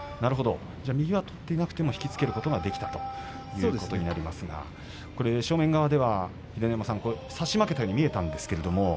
右は取っていなくても引き付けることができたということになりますが正面側では秀ノ山さん、差し負けたように見えたんですけれども。